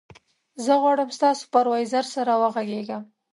زه غواړم ستا سوپروایزر سره وغږېږم.